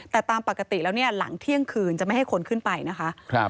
แต่ตามปกติแล้วเนี่ยหลังเที่ยงคืนจะไม่ให้คนขึ้นไปนะคะ